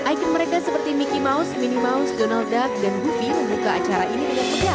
icon mereka seperti mickey mouse minnie mouse donald duck dan goofy membuka acara ini dengan pedas